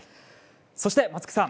そして、松木さん